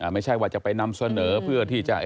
ไม่ใช่ว่าจะไปนำเสนอเพื่อที่จะ